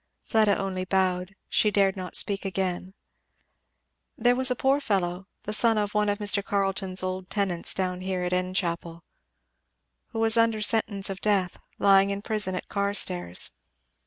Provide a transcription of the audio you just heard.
Fleda only bowed; she dared not speak again. "There was a poor fellow the son of one of Mr. Carleton's old tenants down here at Enchapel, who was under sentence of death, lying in prison at Carstairs.